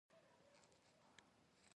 د تور مالګې درملنه هم کېږي.